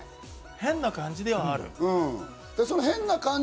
変な感じではある。